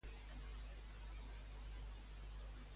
Qui podria haver sigut Irene segons la llegenda?